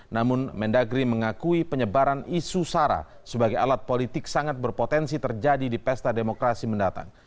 namun mendagri mengakui penyebaran isu sara sebagai alat politik sangat berpotensi terjadi di pesta demokrasi mendatang